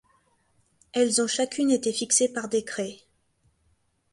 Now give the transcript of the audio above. Elles ont chacune été fixées par décret.